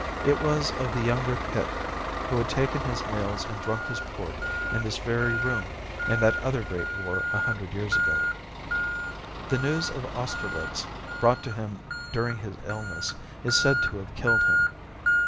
It was of the younger Pitt, who had taken his meals and drunk his port in this very room in that other great war a hundred years ago. The news of Austerlitz, brought to him during his illness, is said to have killed him.